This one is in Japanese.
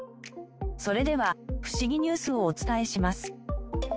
それではフシギニュースをお伝えします。